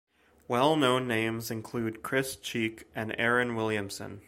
Well-known names include cris cheek and Aaron Williamson.